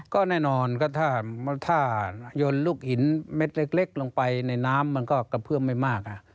ก็แน่นอนก็ถ้ายนต์ลูกหินเม็ดเล็กลงไปในน้ำมันก็กระเพื่อมไม่มาก